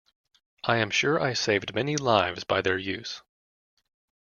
I am sure I saved many lives by their use.